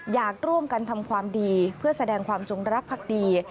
อยากร่วมกันทำความดีเพื่อแสดงความจงรักภักดี